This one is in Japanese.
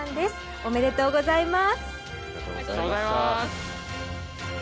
ありがとうございます！